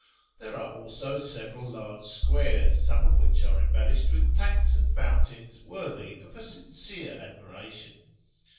There are also several large squares, some of which are em bellished with tanks and fountains worthy of a sincere admiration.